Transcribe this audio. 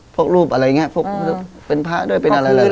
พวกรูปอะไรอย่างนี้พวกรูปเป็นพระด้วยเป็นอะไรอย่างนี้